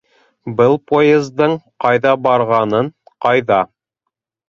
Был поездың ҡайҙа барғанын, ҡайҙа